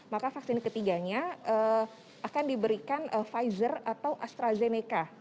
maka vaksin ketiganya akan diberikan pfizer atau astrazeneca